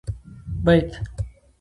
بيت